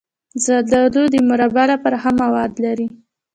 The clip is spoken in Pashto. زردالو د مربا لپاره ښه مواد لري.